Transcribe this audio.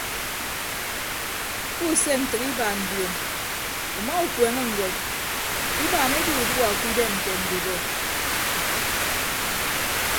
Kuuse ntәk ibaan dion uma ukueene ñwed ibaan edu uduọ ke idem nte ndube.